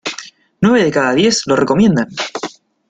Nueve de cada diez lo recomiendan.